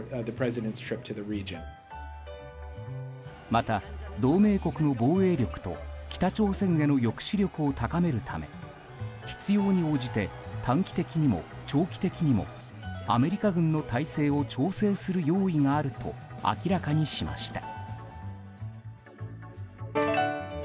また、同盟国の防衛力と北朝鮮への抑止力を高めるため必要に応じて短期的にも長期的にもアメリカ軍の態勢を調整する用意があると明らかにしました。